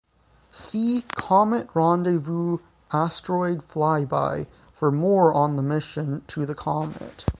See Comet Rendezvous Asteroid Flyby for more on the mission to the comet.